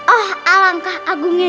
oh alangkah agungnya